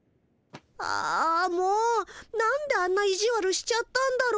あもうなんであんないじわるしちゃったんだろう。